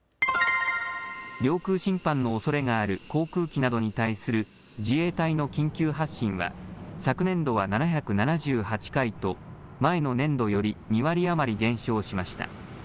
領空侵犯のおそれがある航空機などに対する自衛隊の緊急発進は昨年度は７７８回と前の年度より２割余り減少しました。